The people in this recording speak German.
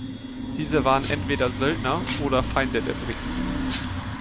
Diese waren entweder Söldner oder Feinde der Briten.